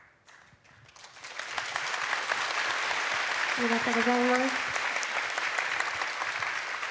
ありがとうございます。